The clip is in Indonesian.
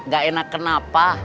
gak enak kenapa